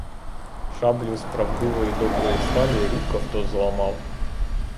Шаблю з правдивої доброї сталі рідко хто зламав.